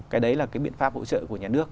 cái đấy là cái biện pháp hỗ trợ của nhà nước